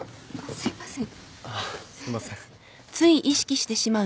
すいません。